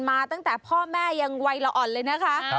มาตั้งแต่พ่อแม่ยังวัยละอ่อนเลยนะคะ